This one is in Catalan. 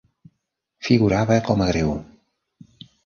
Figurava com a greu.